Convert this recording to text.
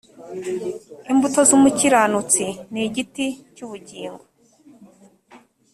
imbuto zumukiranutsi ni igiti cy’ubugingo